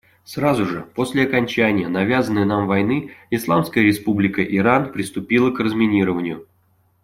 Сразу же после окончания навязанной нам войны Исламская Республика Иран приступила к разминированию.